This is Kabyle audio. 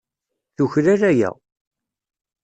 Tuklal aya.